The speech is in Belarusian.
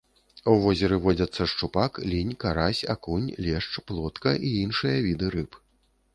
У возеры водзяцца шчупак, лінь, карась, акунь, лешч, плотка і іншыя віды рыб.